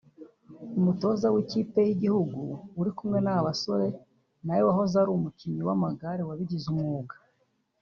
umutoza w’ikipe y’igihugu uri kumwe n’aba basore nawe wahoze ari umukinnyi w’amagare wabigize umwuga